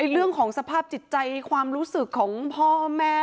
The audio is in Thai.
เรื่องของสภาพจิตใจความรู้สึกของพ่อแม่